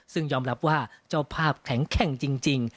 ซึ่งยอมรับว่าเจ้าภาพแข็งแกร่งจริง